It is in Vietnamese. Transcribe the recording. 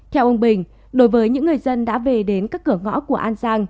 theo ông bình đối với những người dân đã về đến các cửa ngõ của an giang